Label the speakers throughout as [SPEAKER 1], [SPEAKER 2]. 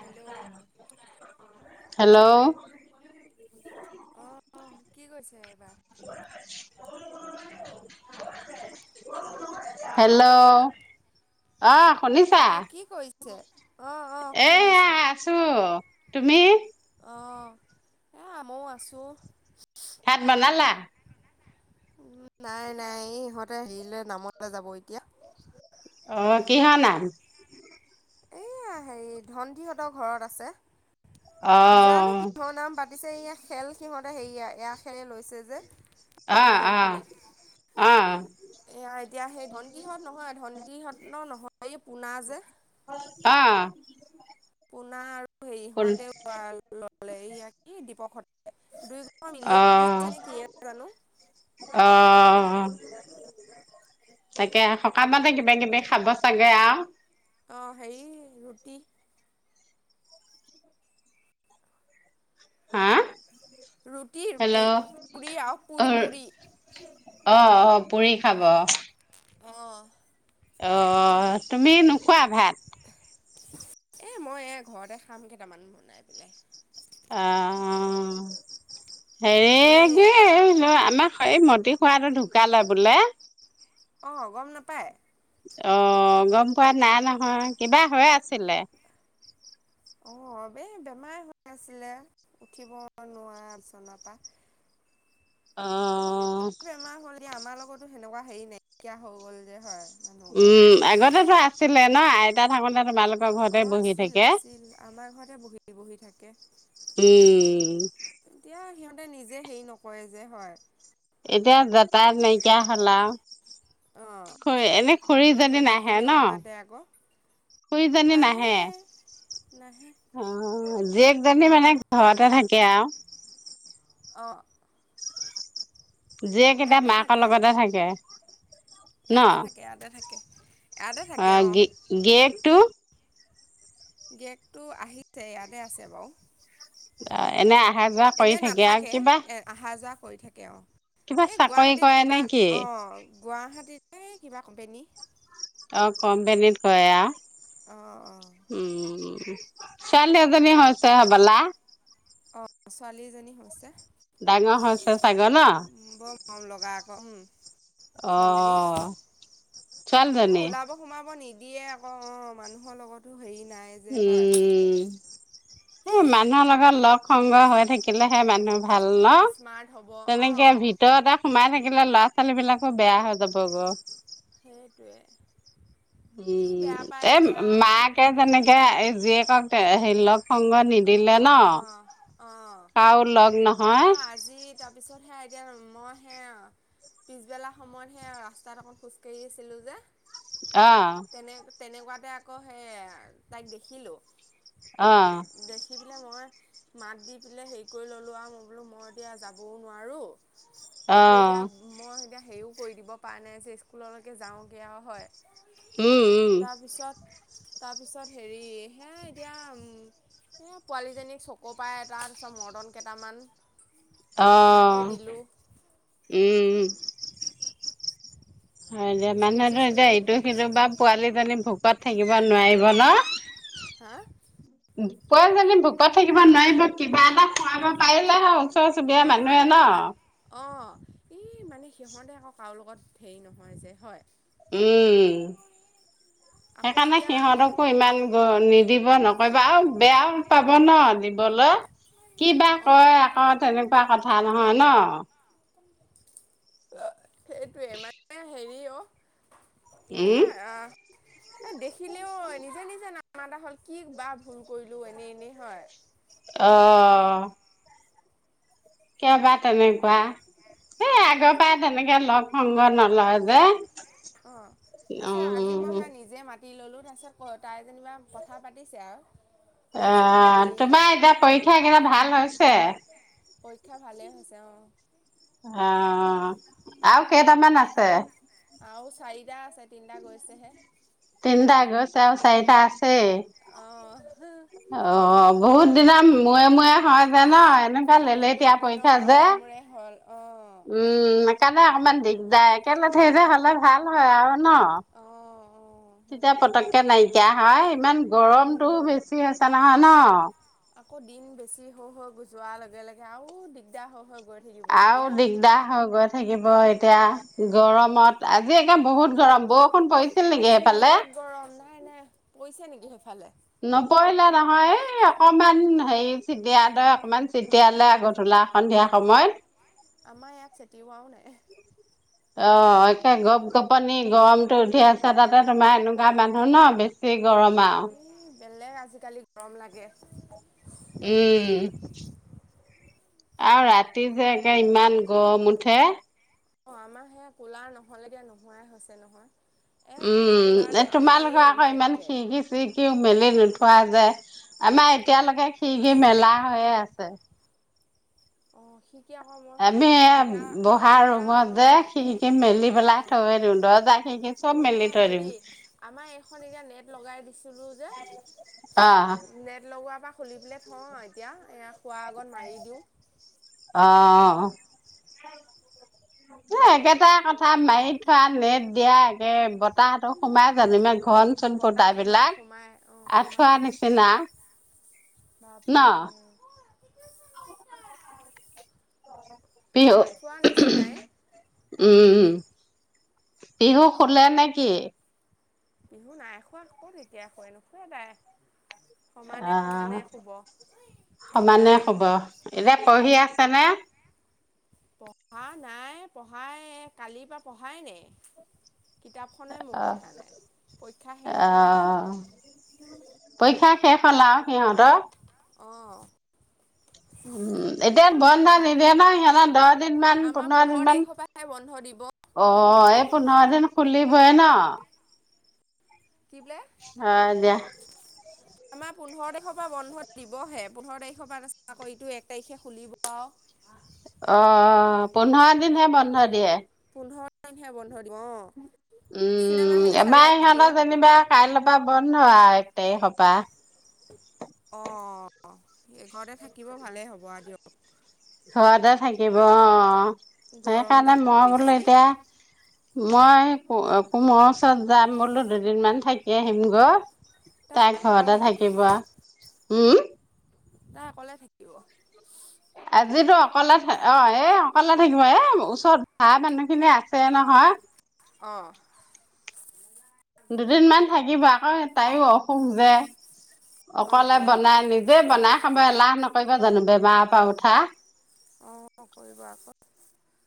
[SPEAKER 1] Hello
[SPEAKER 2] hello.
[SPEAKER 1] অঁ কি কৈছে এইবাৰ।
[SPEAKER 2] [unintelligible] হেল্ল', অ, শুনিছা।
[SPEAKER 1] স
[SPEAKER 2] এয়া আছো তুমি।
[SPEAKER 1] অ, এ আ ময় আছো।
[SPEAKER 2] ভাত বনালা।
[SPEAKER 1] নাই নাই, এই ইহঁতে হেৰিলৈ নামত নাযাব এতিয়া।
[SPEAKER 2] অ, কিহ ন আম।
[SPEAKER 1] এয়া হেৰি ধন দিহতৰ ঘৰত আছে।
[SPEAKER 2] অ
[SPEAKER 1] জানো কিহৰ নাম পাতিছে ইয়াক খেল সিহঁতে হেৰি‌ আহ, এয়া খেলে লৈছে যে।
[SPEAKER 2] অ
[SPEAKER 1] আমাৰ
[SPEAKER 2] - অ
[SPEAKER 1] খেলখনে
[SPEAKER 2] - অ।
[SPEAKER 1] এয়া এতিয়া সেই ধনকিহঁত নহয়, ধনকীহঁত ন নহয়, এই পোনা যে।
[SPEAKER 2] অহ ',
[SPEAKER 1] পনাৰ সেৰিহতে ললে দীপক দুয় ঘো মিলিয় দিছে নেকি। [unintelligible] থিয়েন [unintelligible]
[SPEAKER 2] অহ'। তাকে সক মতে কিবা কিবি খাব চাগে আৰু।
[SPEAKER 1] অহ, সেই ৰুটি
[SPEAKER 2] হা
[SPEAKER 1] ৰুটি - ৰুটি,
[SPEAKER 2] হেল্ল'
[SPEAKER 1] পুৰি আহ পুৰি - পুৰি।
[SPEAKER 2] অ - অ পুৰি খাব।
[SPEAKER 1] অহ ',
[SPEAKER 2] অ, তুমি নোখোৱা ভাত
[SPEAKER 1] এ মই এ ঘৰতে খাম কেইটামান বনাই পেলাই।
[SPEAKER 2] অ, সে
[SPEAKER 1] হেৰি
[SPEAKER 2] ল আমাক এই মটি খোৱাটো ঢুকালে বোলে।
[SPEAKER 1] অহ, গম নাপায়।
[SPEAKER 2] অহ' গম পোৱা নাই নহয়। কিবা হৈ আছিলে।
[SPEAKER 1] অ, এই বেমাৰ হৈ আছিলে উঠিব নোৱাৰা বিচনৰ পৰা। তেনেকে কি
[SPEAKER 2] অ'
[SPEAKER 1] বেমাৰ হ'ল এই আমাৰ লগতো সেনেকুৱা হেৰি নাইকিয়া হৈ গল যে হয়। মানুহ ঘৰ
[SPEAKER 2] উম, আগতেতো আছিলে ন আইতা থাকোতে তোমালোক
[SPEAKER 1] অ, আছিল - আছিল আমাৰ ঘৰতে বহি- বহি থাকে।
[SPEAKER 2] উম,
[SPEAKER 1] এতিয়া সিহঁতে নিজে হেৰি নকৰে যে হয়।
[SPEAKER 2] এতিয়া যাতাৰ নাইকিয়া হলা।
[SPEAKER 1] অ
[SPEAKER 2] খ এনেই
[SPEAKER 1] মানুহ
[SPEAKER 2] খুৰীজনী নাহে
[SPEAKER 1] দেখিলেও
[SPEAKER 2] ন।
[SPEAKER 1] নামাতে আকৌ
[SPEAKER 2] শুই জনি নাহে
[SPEAKER 1] নাহে
[SPEAKER 2] অ', জীয়েকজনী মানে ঘৰতে থাকে আৰু।
[SPEAKER 1] ব
[SPEAKER 2] যিয়ে কেইতা মাকৰ
[SPEAKER 1] থাকে,
[SPEAKER 2] লগতে থাকে। ন
[SPEAKER 1] ইয়াতে থাকে, ইয়াতে থাকে। ইয়াতে থাকে
[SPEAKER 2] অ', গি গিৰিয়েকটো
[SPEAKER 1] গেগটো আহিছে ইয়াতে আছে বাৰু।
[SPEAKER 2] অ', এনে অহা যোৱা কৰি
[SPEAKER 1] এনে
[SPEAKER 2] থাকে আৰু
[SPEAKER 1] নাথাকে
[SPEAKER 2] কিবা
[SPEAKER 1] এ আহা যোৱা কৰি থাকে আৰু।
[SPEAKER 2] কিবা
[SPEAKER 1] এই
[SPEAKER 2] চাকৰি
[SPEAKER 1] গুৱাহাটীত
[SPEAKER 2] কৰে
[SPEAKER 1] কিবা
[SPEAKER 2] নে কি
[SPEAKER 1] অ', গুৱাহাটীতে কিবা কম্পেনী।
[SPEAKER 2] অ', কম্পেনীত কয়ে আও
[SPEAKER 1] অ',
[SPEAKER 2] উম। ছোৱালী এজনী হৈছে হবলা।
[SPEAKER 1] অ', ছোৱালীজনী হৈছে
[SPEAKER 2] ডাঙৰ হৈছে শাগ ন?
[SPEAKER 1] বৰ মৰম লগা উম ছোৱালীজনী
[SPEAKER 2] অ', ছোৱালজনী।
[SPEAKER 1] দিয়ে আকৌ অ', মানুহৰ লগতো হেৰি নাই যে হয়।
[SPEAKER 2] উম, এ, মানুহৰ লগত লগ সংগ হৈ থাকিলেহে মানুহ ভাল ন
[SPEAKER 1] স্মাৰ্ট হ'ব
[SPEAKER 2] তেনেকে
[SPEAKER 1] অ',
[SPEAKER 2] ভিতৰতে সোমাই থাকিলে ল'ৰা ছোৱালী বিলাক অ', বেয়া হৈ যাব গ
[SPEAKER 1] সেইটোৱে
[SPEAKER 2] উম
[SPEAKER 1] কি বেয়া পায়
[SPEAKER 2] এই
[SPEAKER 1] এতিয়া
[SPEAKER 2] মাকে
[SPEAKER 1] মানুহখিনি
[SPEAKER 2] যেনেকে এ জীয়েকক হেৰি লগ। প্ৰসংগ নিদিলে ন
[SPEAKER 1] অ', অ',
[SPEAKER 2] কাও লগ নহয়।
[SPEAKER 1] সেয়া আজি তাৰপিছত সে এতিয়া মই সে পিছবেলা সময়ত সেই আৰু ৰাস্তাত অকন খোজকাাঢ়ি আছিলো যে।
[SPEAKER 2] অ',
[SPEAKER 1] তেনে তেনেকুৱাতে আকৌ সেই তাইক দেখিলো
[SPEAKER 2] অ',
[SPEAKER 1] দেখি পেলাই মই মাত দি পেলাই হেৰি কৰি ল'লোঁ আৰু মই বোলো মই এতিয়া যাবও নোৱাৰোঁ। একো
[SPEAKER 2] অ',
[SPEAKER 1] এতিয়া মই এতিয়া হেৰিও কৰি দিব পৰা নাই যে স্কুললৈকে যাওঁগৈ আৰু হয়।
[SPEAKER 2] উম, উম,
[SPEAKER 1] তাৰপিছত তাৰপিছত হেৰি হে এতিয়া উম এ, পোৱালিজনীক চ'ক পাই এটা তাৰপিছত মৰ্তণ কেইটামান। সেয়াকে
[SPEAKER 2] অ',
[SPEAKER 1] দিলোঁ
[SPEAKER 2] উম
[SPEAKER 1] [inaudible]
[SPEAKER 2] হয় দে
[SPEAKER 1] বিস্কুট
[SPEAKER 2] মানুহেতো
[SPEAKER 1] চিস্কুটো
[SPEAKER 2] এতিয়া ইটো সিটো বা পোৱালিজনী ভোকত থাকিব নোৱাৰিব ন।
[SPEAKER 1] হা
[SPEAKER 2] [unintelligible] ভোকত থাকিব নোৱাৰিব কিবা এটা খুৱাব পাৰিলে হল।
[SPEAKER 1] নহয় নহয় অ', এই মানে সিহঁতে আকৌ কাৰো লগত হেৰি নহয় যে হয়।
[SPEAKER 2] উম
[SPEAKER 1] [inaudible]
[SPEAKER 2] সেইকাৰণে সিহঁতকো ইমান গ নিদিব নকৰিবা আৰু বেয়াও পাব ন। বল কিবা
[SPEAKER 1] অঁ
[SPEAKER 2] কয় আকৌ তেনেকুৱা কথা নহয় ন।
[SPEAKER 1] অ', সেইটোৱে মানে হেৰি অ।
[SPEAKER 2] উম
[SPEAKER 1] এতিয়া আ এ, দেখিলেও নিজা নিজা না [unintelligible] এটা হ'ল কি বা ভুল কৰিলোঁ এনেই এনেই হয়।
[SPEAKER 2] অ', কেবা তেনেকুৱা এই আগৰ পাই
[SPEAKER 1] নাজানো
[SPEAKER 2] তেনেকে লগ সংগ নলয় যে
[SPEAKER 1] অ তাৰপিছত আজি মই
[SPEAKER 2] উম
[SPEAKER 1] সে নিজে মাতি ললো তাৰপিছত ক তাই যেনিবা কথা পাতিছে আও
[SPEAKER 2] অ তোমাৰ এতিয়া পৰীক্ষাকেইটা ভাল হৈছে
[SPEAKER 1] পৰীক্ষা ভালেই হৈছে অ
[SPEAKER 2] অ আও কেইটামান আছে
[SPEAKER 1] আও চাৰিটা আছে তিনিটা গৈছেহে
[SPEAKER 2] তিনটা গৈছে আও চাইটা আছ
[SPEAKER 1] আহ, হ।
[SPEAKER 2] অ' বহুত দিন মুয়ে-মুয়ে হয় যে ন, এনেকুৱা লেলেতিয়া পৰীক্ষা যে।
[SPEAKER 1] এ হ'ল। অ
[SPEAKER 2] উম, সেইকাৰণে অকমান দিগদাৰ একে লেঠাই যে হ'ল। হলে ভাল হয় আৰু ন।
[SPEAKER 1] অ অ
[SPEAKER 2] তেতিয়া
[SPEAKER 1] সেইটোৱে
[SPEAKER 2] পতককে নাইকিয়া হয়। ইমান গৰমটোও
[SPEAKER 1] উম
[SPEAKER 2] বেছি হৈছে নহয় ন?
[SPEAKER 1] আকৌ দিন বেছি হৈ হৈ গৈ যোৱাৰ লগে লগে আৰু দিগদাৰ হৈ হৈ গৈ থাকিব
[SPEAKER 2] আৰু
[SPEAKER 1] এতিয়া
[SPEAKER 2] দিগদাৰ হৈ গৈ থাকিব। এতিয়া গৰমত, আজি একে বহুত গৰম বৌ।
[SPEAKER 1] আজি বিৰাট গৰম নাই নাই, পৰিছে নেকি সেইফালে?
[SPEAKER 2] নপঢ়িলে নহয়, এই অকমান হেৰি [unintelligible] অকমান চিটিয়ালে আগত হলা। সন্ধিয়া সময়ত।
[SPEAKER 1] আমাৰ ইয়াত চেটিওৱাও নাই।
[SPEAKER 2] অ' একে গপ-গপনি গৰমটো উঠি আছে, তাতে তোমাৰ এনেকুৱা মানুহ ন বেছি বেছি গৰম আও।
[SPEAKER 1] এই বেলেগ আজিকালি গৰম লাগে।
[SPEAKER 2] উম। আও ৰাতি যে একে ইমান গম উঠে।
[SPEAKER 1] অ' আমাৰ সেয়া কুলাৰ নহলেকে নুশুৱাই হৈছে নহয়। একে
[SPEAKER 2] উম, এ
[SPEAKER 1] কুলাৰটো আমাৰ
[SPEAKER 2] তোমালোকৰ
[SPEAKER 1] এই
[SPEAKER 2] আকৌ ইমান
[SPEAKER 1] বিশেষকে
[SPEAKER 2] খিৰকি- চিৰকি মেলি নো থোৱা যে, আমাৰ এতিয়ালৈকে খিৰকি মেলা হৈয়ে আছে।
[SPEAKER 1] অ' খি
[SPEAKER 2] আমি এয়া বহা ৰুমত
[SPEAKER 1] অ
[SPEAKER 2] যে খিৰিকি মেলি পেলাই
[SPEAKER 1] অ
[SPEAKER 2] থয়ে দিও। দৰ্জা খিৰিকি চব মেলি
[SPEAKER 1] নহয়
[SPEAKER 2] থৈ
[SPEAKER 1] হেৰি
[SPEAKER 2] দিওঁ
[SPEAKER 1] আমাৰ এইখন এতিয়া নেট লগাই দিছিলো যে
[SPEAKER 2] অ'
[SPEAKER 1] নেট লগোৱাৰ পা খুলি পেলাই থওঁ এতিয়া এ শুৱা আগত মাৰি দিও
[SPEAKER 2] অ এ একেটা কথা মাৰি থোৱা নেট দিয়া একে বতাহতো সোমাই জানো ইমান ঘন চন ফোটা
[SPEAKER 1] বতাহ সোমাই
[SPEAKER 2] বিলাক
[SPEAKER 1] সোমাই অঁ সোমাই
[SPEAKER 2] আঁঠুৱা নিচিনা ন
[SPEAKER 1] বাপৰে
[SPEAKER 2] পিঅ
[SPEAKER 1] আঁঠুৱা নিচিনাই
[SPEAKER 2] উম পিহু শুলে নে কি?
[SPEAKER 1] পিহু নাই শুৱা ক'ত এতিয়া শুৱে নোশুৱে তাই সমানে
[SPEAKER 2] অহ
[SPEAKER 1] সমানে শুব
[SPEAKER 2] সমানে হব এতিয়া পঢ়ি আছে নে
[SPEAKER 1] পঢ়া নাই পঢ়াই কালিৰ পৰা পঢ়ায় নাই কিতাপখনেই
[SPEAKER 2] অ
[SPEAKER 1] মুখ দেখা নাই পৰীক্ষা শেষ
[SPEAKER 2] অ
[SPEAKER 1] হ'লাও
[SPEAKER 2] পৰীক্ষা শেষ হ'ল আও সিহঁত
[SPEAKER 1] অ'
[SPEAKER 2] উম এতিয়া বন্ধ
[SPEAKER 1] ভা
[SPEAKER 2] নিদিয়ে ন সিহঁত দহ দিন মান
[SPEAKER 1] আমাৰ
[SPEAKER 2] পোন্ধৰ দিন মান
[SPEAKER 1] তাৰিখৰ পৰাহে বন্ধ দিব
[SPEAKER 2] অ এই পোন্ধৰ দিন খুলিবই ন
[SPEAKER 1] কি বোলে
[SPEAKER 2] অ দিয়া
[SPEAKER 1] আমাৰ পোন্ধৰ তাৰিখৰ পৰা বন্ধ দিবহে পোন্ধৰ তাৰিখৰ পৰা তাৰপিছত আকৌ এইটো এক তাৰিখে খুলিব আৰু।
[SPEAKER 2] অ', অ', অ', পোন্ধৰ দিনহে বন্ধ দিয়ে।
[SPEAKER 1] পোন্ধৰ তাৰিখে বন্ধ দিব অ'। চিনেমা
[SPEAKER 2] উম
[SPEAKER 1] হেৰি চালে
[SPEAKER 2] এবাৰ
[SPEAKER 1] নতুন
[SPEAKER 2] ইহঁতৰ যেনিবা কাইলৈ পা বন্ধ আ এক এক তাইক পা।
[SPEAKER 1] অ', অ', এ ঘৰতে থাকিব ভালেই হ'ব আ দিয়ক।
[SPEAKER 2] ঘৰতে থাকিব অ',
[SPEAKER 1] গৰম
[SPEAKER 2] সেইকাৰণে
[SPEAKER 1] ডাল
[SPEAKER 2] মই বোলো
[SPEAKER 1] বেছি
[SPEAKER 2] এতিয়া, মই কোম কোমৰ ওচৰত যাম বোলো দুদিন মান থাকি আহিম গৈ। তাই ঘৰতে থাকিব আ উম।
[SPEAKER 1] তাই অকলে থাকিব?
[SPEAKER 2] আজিতো অকলে অ', এই অকলে থাকিব এ ওচৰত ভা মানুহ খিনি আছে নহয়।
[SPEAKER 1] অ'।
[SPEAKER 2] দুদিন মান থাকিব আকৌ। তাইও অসুখ যে
[SPEAKER 1] অ
[SPEAKER 2] অকলে
[SPEAKER 1] অ
[SPEAKER 2] বনাই নিজে বনাই। খাব এলাহ নকৰিবা জানো বেমাৰ পা উঠা।
[SPEAKER 1] অ', কৰিব আকৌ।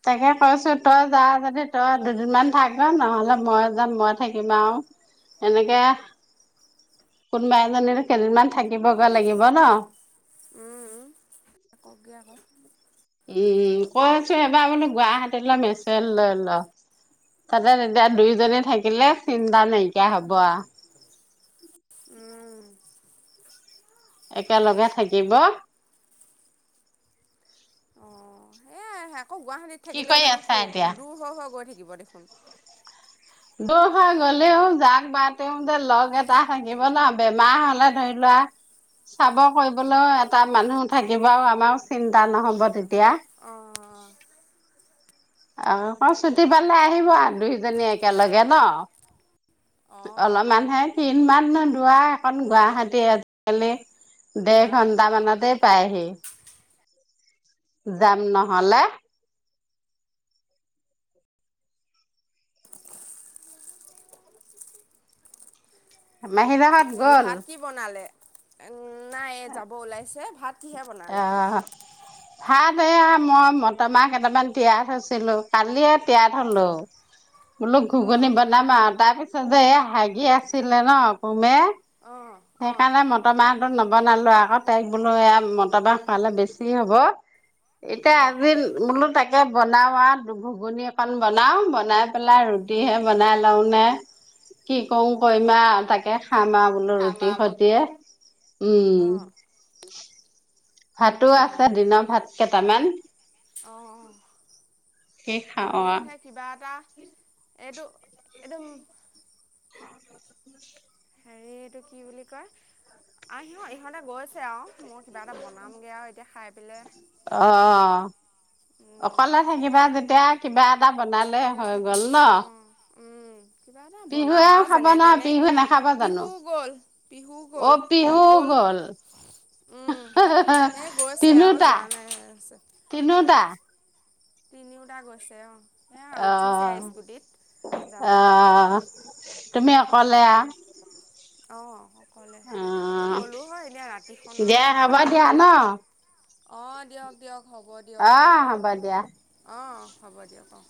[SPEAKER 2] তাকে কৈছো তই যা যদি তই দুদিনমান থাকগৈ নহ'লে মই যাম মই থাকিম আউ। এনেকে, কোনোবা এজনীতো কেইদিনমান থাকিবগৈ লাগিব ন'।
[SPEAKER 1] উম উম কক গে আকৌ।
[SPEAKER 2] উম কৈ আছো এবাৰ বোলো গুৱাহাটীত লৈ মেচেল লৈ ল। তাতে তেতিয়া দুই জনে থাক থাকিলে চিন্তা নাইকিয়া হব আ।
[SPEAKER 1] উম
[SPEAKER 2] একেলগে থাকিব।
[SPEAKER 1] অ', এয়া আকৌ গুৱাহটীত
[SPEAKER 2] কি
[SPEAKER 1] থাকিলেও
[SPEAKER 2] কৰি
[SPEAKER 1] জানো
[SPEAKER 2] আছা
[SPEAKER 1] সুখ
[SPEAKER 2] এতিয়া
[SPEAKER 1] দূৰ হৈ হৈ গৈ থাকি। থাগিব দেখোন?
[SPEAKER 2] দূৰ হৈ গ'লেও যাক বা তেও যে লগ এটা থাকিব ন' বেমাৰ হ'লে ধৰি লোৱা, চাব কৰিবলৈও এটা মানুহ থাকিব আৰু আমাৰ চিন্তা নহ'ব তেতিয়া।
[SPEAKER 1] অ', অ'।
[SPEAKER 2] অ', আক ছুটি পালে আহিব দুইজনী একেলগে ন'।
[SPEAKER 1] অ
[SPEAKER 2] অলপমানহে কিনমান দূৰ আও একন গুৱাহাটী আজিকালি। দেৰ
[SPEAKER 1] হা
[SPEAKER 2] ঘন্টা মানতে পায়হি। জাম নহ'লে। মাহি হেত ঘত
[SPEAKER 1] হেৰি ভাত কি বনালে, নাই এই যাব ওলাইছে ভাত কিহে বনালে?
[SPEAKER 2] আহ ভাত এইয়া মই মটৰ মাহ কেইটামান তিয়াই থৈছিলো কালিয়ে তিয়াই থলো। বোলো ঘুগুনি
[SPEAKER 1] অ',
[SPEAKER 2] বনাম আও তাৰপিছত যে এয়া হাগি আছিলে ন উপমে?
[SPEAKER 1] অ', অ',
[SPEAKER 2] সেইকাৰণে মটৰমাহ নবনালো আক তাইক বোলো এয়া মটৰমাহ খোৱালে বেছি হ'ব। এতিয়া
[SPEAKER 1] অ'।
[SPEAKER 2] আজিন মূলো তাক এনেকে বনাও আ ঘুগুনি অকন বনাও বনাই পেলে ৰুটিহে বনাই লও নে কি কওঁ কইমা তাকে খাম আ বোলো ৰু ৰুটি
[SPEAKER 1] খানা বোলো।
[SPEAKER 2] সতিয়ে উম।
[SPEAKER 1] অ',
[SPEAKER 2] ভাতো আছে দিনৰ ভাত কেইটামান,
[SPEAKER 1] অ
[SPEAKER 2] কি খাওঁ
[SPEAKER 1] মইয়ো
[SPEAKER 2] আৰু।
[SPEAKER 1] সেই কিবা এটা, এইটো এটো উম হেৰি এইটো কি বুলি কয়, আহ সিহঁত ইহঁতে গৈছে আউ মই কিবা এটা বনামগে আৰু এতিয়া খাই পেলে।
[SPEAKER 2] অ'।
[SPEAKER 1] উম।
[SPEAKER 2] অকলে থাকিবা যেতিয়া কিবা এটা বনালে
[SPEAKER 1] অকলে
[SPEAKER 2] হৈ গ'ল
[SPEAKER 1] থাকিম
[SPEAKER 2] ন'।
[SPEAKER 1] অ', উম। কিবা এটা বনাম
[SPEAKER 2] পিহুৱে
[SPEAKER 1] আৰু
[SPEAKER 2] খাব
[SPEAKER 1] যেনে
[SPEAKER 2] নহয়
[SPEAKER 1] তেনে
[SPEAKER 2] পিহুৱে নাখাব জানো
[SPEAKER 1] পিহু গ'ল পিহু গ'ল গ'ল।
[SPEAKER 2] অল।
[SPEAKER 1] উম, এই
[SPEAKER 2] [unintelligible]
[SPEAKER 1] গৈছে আৰু
[SPEAKER 2] তিনিওটা
[SPEAKER 1] যোৱা নাই আছে।
[SPEAKER 2] তিনিওটা।
[SPEAKER 1] তিনিওটা গৈছে অ। এয়া উঠিছে
[SPEAKER 2] অহ
[SPEAKER 1] স্কুটিত। যাব আৰু এতিয়া
[SPEAKER 2] অহ। তুমি অকলে আহ।
[SPEAKER 1] অঁ অকলে এই গ'লো হয় এনেই ৰাতিখন
[SPEAKER 2] দিয়া
[SPEAKER 1] আওঁ
[SPEAKER 2] হ'ব
[SPEAKER 1] হয়।
[SPEAKER 2] দিয়া ন
[SPEAKER 1] অ দিয়ক দিয়ক হ'ব দিয়ক
[SPEAKER 2] অ হ'ব দিয়া
[SPEAKER 1] অ হ'ব দিয়ক অ'।